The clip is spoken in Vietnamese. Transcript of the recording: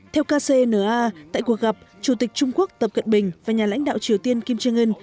theo kcna tại cuộc gặp chủ tịch trung quốc tập cận bình và nhà lãnh đạo triều tiên kim jong un